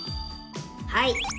はい。